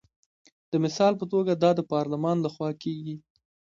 د مثال په توګه دا د پارلمان لخوا کیږي.